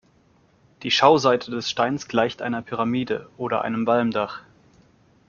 Die Schauseite des Steins gleicht einer Pyramide oder einem Walmdach.